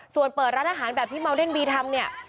ส่วนเปิดร้านอาหารแบบที่เมาเดนบีทำเนี่ย